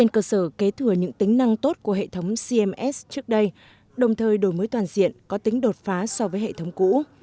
của hệ thống cms trước đây đồng thời đổi mới toàn diện có tính đột phá so với hệ thống cũ